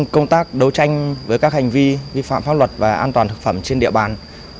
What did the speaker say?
công tác đấu tranh với các hành vi vi phạm pháp luật và an toàn thực phẩm trên địa bàn